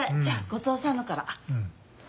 じゃあ後藤さんのから。